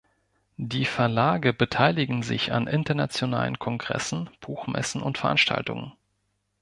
Die Verlage beteiligen sich an internationalen Kongressen, Buchmessen und Veranstaltungen.